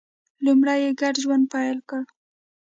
لومړی یې ګډ ژوند پیل کړ